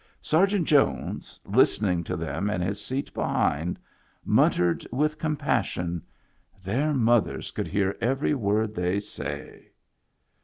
Sergeant Jones, listening to them in his seat behind, muttered with compas sion :" Their mothers could hear every word they say."